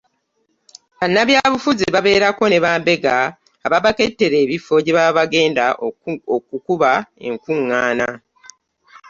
Bannabyabufuzi babeerako ne bambega ababakketera ebifo gye baba bagenda okukuba enkuggaana.